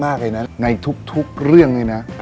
มาเมื่อไหนตกใจหมดเลย